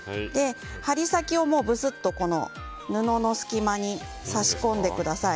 針先をブスッと布の隙間に刺し込んでください。